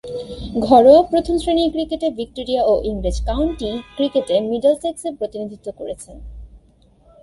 ঘরোয়া প্রথম-শ্রেণীর ক্রিকেটে ভিক্টোরিয়া ও ইংরেজ কাউন্টি ক্রিকেটে মিডলসেক্সের প্রতিনিধিত্ব করেছেন।